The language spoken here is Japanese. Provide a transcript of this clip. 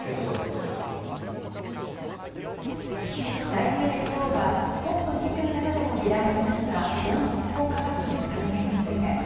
来週月曜はＣＯＰ２７でも議題になった温室効果ガスの削減について。